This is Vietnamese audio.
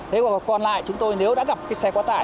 thế còn lại chúng tôi nếu đã gặp cái xe quá tải